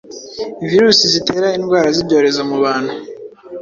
virusi zitera indwara z’ibyorezo mu bantu,